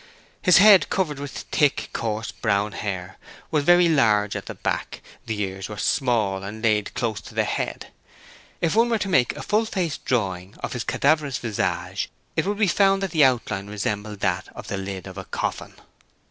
His head, covered with thick, coarse brown hair, was very large at the back; the ears were small and laid close to the head. If one were to make a full face drawing of his cadaverous visage it would be found that the outline resembled that of the lid of a coffin.